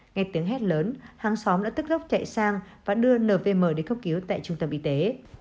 nghe tiếng hét lớn hàng xóm đã tức lốc chạy sang và đưa nvm đến cấp cứu tại trung tâm y tế